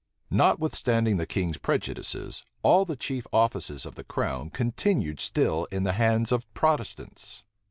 Notwithstanding the king's prejudices, all the chief offices of the crown continued still in the hands of Protestants.